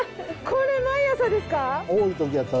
これ毎朝ですか？